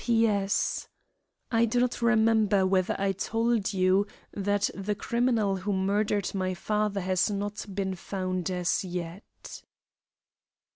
P.S. I do not remember whether I told you that the criminal who murdered my father has not been found as yet.